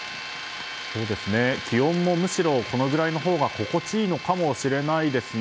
気温もむしろこのぐらいのほうが心地いいのかもしれないですね。